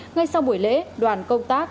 ngay sau buổi lễ đoàn công tác